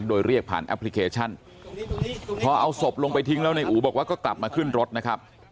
โดยเรียกผ่านแอปพลิเคชันพอเอาศพลงไปทิ้งแล้วในอู๋บอกว่าก็กลับมาขึ้นรถนะครับ